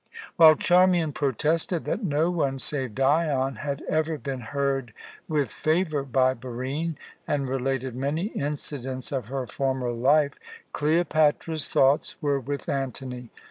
While Charmian protested that no one save Dion had ever been heard with favour by Barine, and related many incidents of her former life, Cleopatra's thoughts were with Antony.